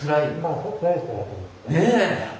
ねえ！